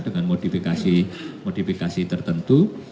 dengan modifikasi modifikasi tertentu